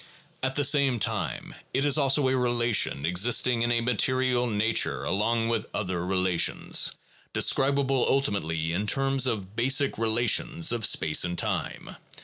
At the same time it is also a relation existing in a material nature along with other relations, describable ultimately in terms of basic relations of space and time.